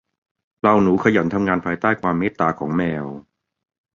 เหล่าหนูขยันทำงานภายใต้ความเมตตาของแมว